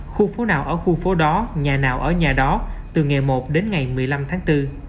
khu phố nào ở khu phố đó nhà nào ở nhà đó từ ngày một đến ngày một mươi năm tháng bốn